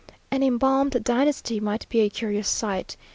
An embalmed dynasty might be a curious sight.